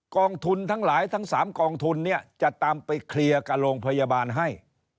กองทุนทั้งหลายทั้ง๓กองทุนเนี่ยจะตามไปเคลียร์กับโรงพยาบาลให้